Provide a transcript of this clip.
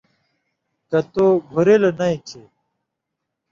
کہ تُو گھُرِلوۡ نَیں کھیں،